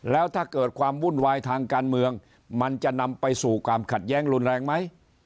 แล้วถ้าเกิดความวุ่นวายทางการเมืองมันจะนำไปสู่ความขัดแย้งรุนแรงไหม